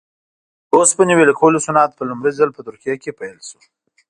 د اوسپنې ویلې کولو صنعت په لومړي ځل په ترکیه کې پیل شو.